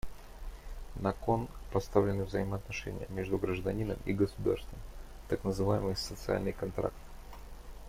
На кон поставлены взаимоотношения между гражданином и государством — так называемый «социальный контракт».